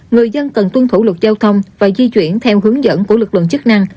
người dân cần tuân thủ luật giao thông và di chuyển theo hướng dẫn của lực lượng chức năng